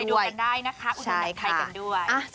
ไปดูกันได้นะคะอุณหยุดนักไทยกันด้วย